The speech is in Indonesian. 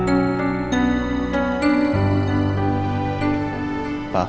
kita ngobrol dulu sama saya aja pak